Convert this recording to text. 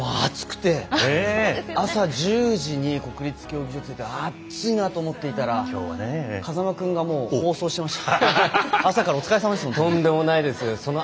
暑くて朝１０時に国立競技場について暑いなと思っていたら風間君がもう放送してました。